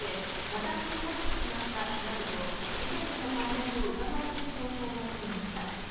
また踏み外しちまったなどと事件との関連をうかがわせる投稿をしていました。